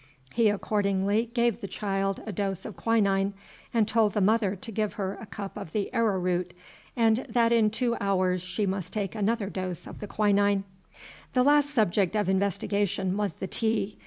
He accordingly gave the child a dose of quinine, and told the mother to give her a cup of the arrow root, and that in two hours she must take another dose of the quinine. The last subject of investigation was the tea.